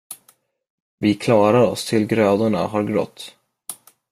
Vi klarar oss tills grödorna har grott.